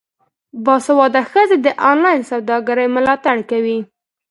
باسواده ښځې د انلاین سوداګرۍ ملاتړ کوي.